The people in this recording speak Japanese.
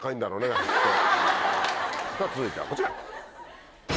続いてはこちら！